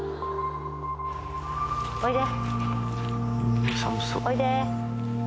おいで。